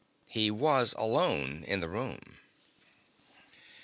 He was alone in the room.